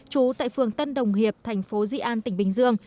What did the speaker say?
trú tại phường tân đồng hiệp thành phố di an tỉnh bình dương